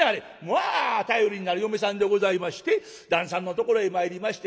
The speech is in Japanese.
まあ頼りになる嫁さんでございまして旦さんのところへ参りましてね